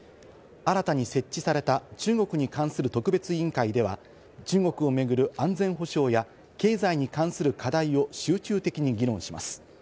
新たに設置された「中国に関する特別委員会」では、中国をめぐる安全保障や経済に関する課題を集中的に議論します。